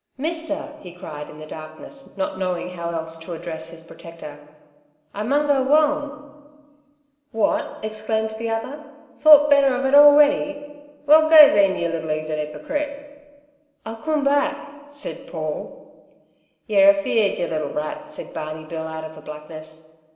"Mister," he cried in the darkness, not knowing how else to address his protector. "I mun go whoam." "Wot?" exclaimed the other. "Thought better of it already? Well, go, then, yer little 'eathen 'ippocrite!" "I'll coom back," said Paul. "Yer afeared, yer little rat," said Barney Bill, out of the blackness.